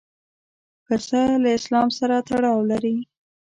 پسه له اسلام سره تړاو لري.